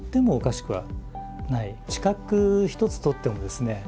知覚一つとってもですね